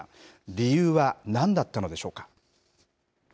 理由はなんだったのでしょうか。